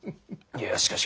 いやしかし。